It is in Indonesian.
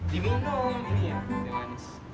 diminum ini ya teh manis